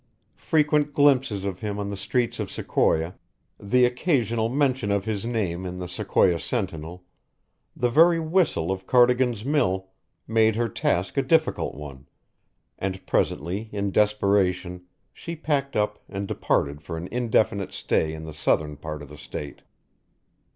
Frequent glimpses of him on the streets of Sequoia, the occasional mention of his name in the Sequoia Sentinel, the very whistle of Cardigan's mill, made her task a difficult one; and presently in desperation she packed up and departed for an indefinite stay in the southern part of the State.